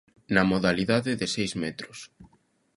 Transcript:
Na modalidade de seis metros.